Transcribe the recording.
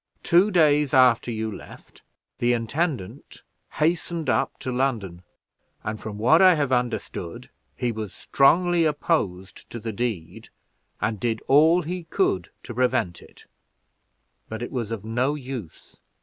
Two days after you left, the intendant hastened up to London, and, from what I have understood, he was strongly opposed to the deed, and did all he could to prevent it; but it was of no use.